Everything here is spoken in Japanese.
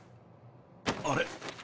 あれ？